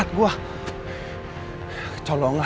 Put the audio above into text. ya tapi dia mau ke sana